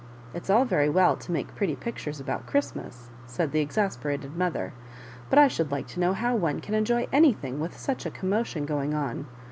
" It's all very well to make pretty pictures about Christmas," said the exasperated mother, but I should like to know how one can enjoy anything with such a commotion going on.